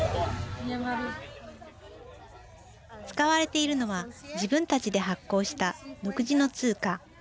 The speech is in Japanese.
使われているのは自分たちで発行した独自の通貨。